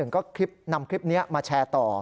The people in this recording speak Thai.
ก็นำคลิปนี้มาแชร์ต่อ